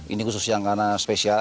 ini khusus yang karena spesial